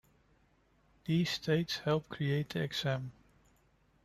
These states help create the exam.